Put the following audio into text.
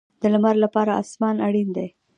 د لمر لپاره اسمان اړین دی